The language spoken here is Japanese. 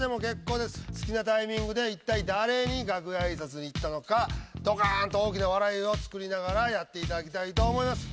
好きなタイミングで一体誰に楽屋挨拶に行ったのかドカーン！と大きな笑いを作りながらやっていただきたいと思います。